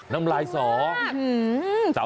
น้ำลายสอ